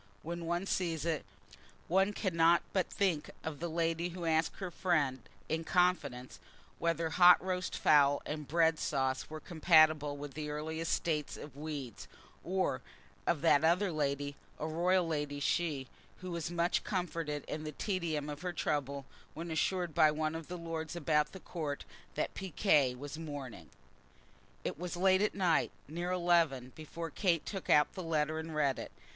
When one sees it, one cannot but think of the lady who asked her friend, in confidence, whether hot roast fowl and bread sauce were compatible with the earliest state of weeds; or of that other lady, a royal lady she, who was much comforted in the tedium of her trouble when assured by one of the lords about the Court that piquet was mourning. It was late at night, near eleven, before Kate took out her letter and read it.